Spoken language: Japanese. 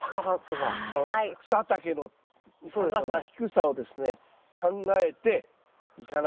草丈の高さ低さをですね考えていかないと。